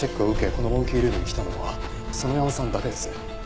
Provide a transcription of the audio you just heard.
このモンキールームに来たのは園山さんだけです。